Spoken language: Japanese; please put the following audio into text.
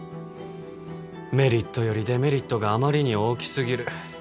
メリットよりデメリットがあまりに大きすぎる